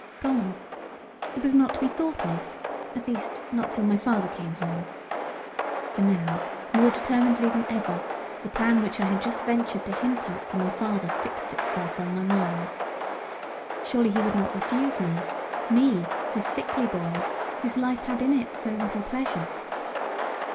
Gone! It was not to be thought of at least, not till my father came home. For now, more determinedly than ever, the plan which I had just ventured to hint at to my father fixed itself on my mind. Surely he would not refuse me me, his sickly boy, whose life had in it so little pleasure.